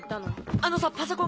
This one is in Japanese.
あのさパソコン